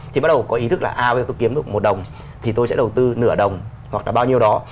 thì bắt đầu có ý thức là à bây giờ tôi kiếm được một đồng thì tôi sẽ đầu tư nửa đồng hoặc là bao nhiêu đó